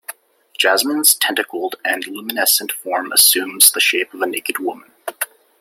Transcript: Jasmine's tentacled and luminescent form assumes the shape of a naked woman.